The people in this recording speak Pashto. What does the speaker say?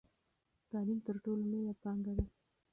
تعلیم تر ټولو لویه پانګه ده.